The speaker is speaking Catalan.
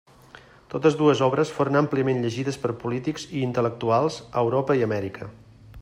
Totes dues obres foren àmpliament llegides per polítics i intel·lectuals a Europa i Amèrica.